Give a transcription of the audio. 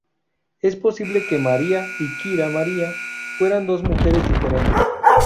Es posible que María y Kira María fueran dos mujeres diferentes.